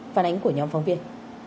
phản ánh của nhóm phóng viên